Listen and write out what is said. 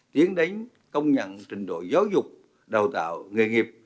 tiến đánh công nhận trình độ giáo dục đào tạo nghề nghiệp